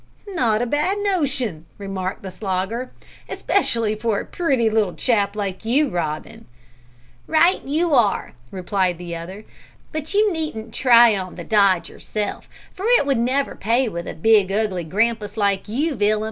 "Not a bad notion," remarked the Slogger; "especially for a pretty little chap like you, Robin." "Right you are," replied the other, "but you needn't try on the dodge yourself, for it would never pay with a big ugly grampus like you, Villum."